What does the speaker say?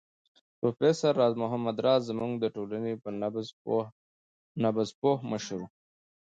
پروفېسر راز محمد راز زموږ د ټولنې په نبض پوه مشر و